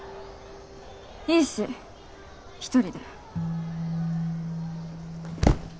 いいし一人で